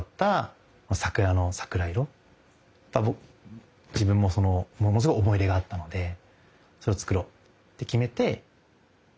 やっぱ自分もものすごく思い入れがあったのでそれを作ろうって決めて。